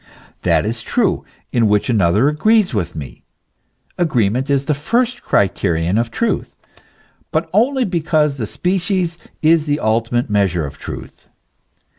That is true in which another agrees with me, agreement is the first criterion of truth; but only because the species is the ultimate measure of truth.